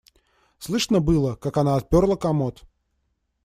Слышно было, как она отперла комод.